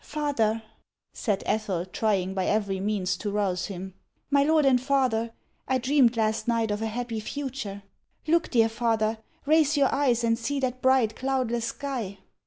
" Father," said Ethel, trying by every means to rouse him, " my lord and father, I dreamed last night of a happy HANS OF ICELAND. future. Look, dear lather ; raise your eyes, and see that bright, cloudless sky."